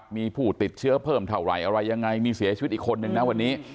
มีผู้ติดเชื้อเพิ่มเท่าไหร่อะไรยังไงมีเสียชีวิตอีกคนนึงนะวันนี้